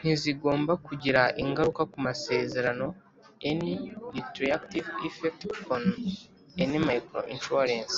ntizigomba kugira ingaruka ku masezerano any retroactive effect on any microinsurance